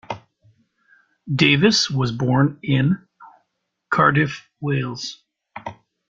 Davis was born in Cardiff, Wales.